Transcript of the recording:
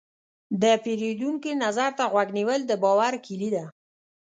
د پیرودونکي نظر ته غوږ نیول، د باور کلي ده.